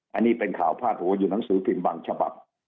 อันนี้เป็นข่าวพาดหัวอยู่หนังสือพิมพ์บางฉบับ